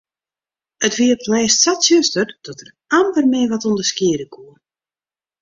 It wie op 't lêst sa tsjuster dat er amper mear wat ûnderskiede koe.